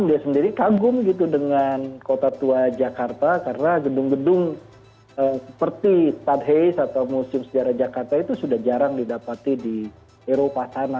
dia sendiri kagum gitu dengan kota tua jakarta karena gedung gedung seperti starthes atau museum sejarah jakarta itu sudah jarang didapati di eropa sana